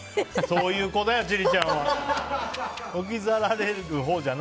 そういう子だよ、千里ちゃんは。